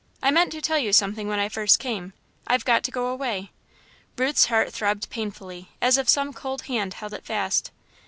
I meant to tell you something when I first came I've got to go away." Ruth's heart throbbed painfully, as if some cold hand held it fast.